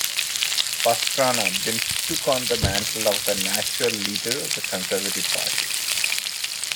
Pastrana then took on the mantle of the "natural leader" of the Conservative party.